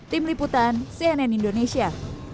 tim liputan cnn indonesia